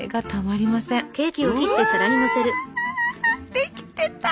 できてた！